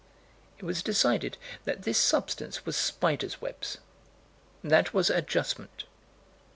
It was decided that this substance was spiders' web. That was adjustment.